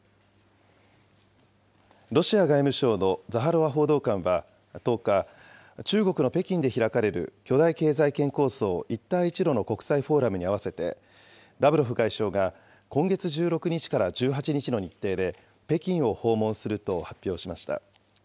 ロシア外務省のザハロワ報道官は１０日、中国の北京で開かれる巨大経済圏構想、一帯一路の国際フォーラムに合わせて、ラブロフ外相が今月１６日から１８日の日程で北京を訪問すると発表しました。